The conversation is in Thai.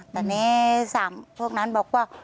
ตอนนี้๓พวกนั้นบอกว่า